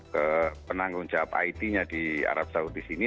ke penanggung jawab it nya di arab saudi sini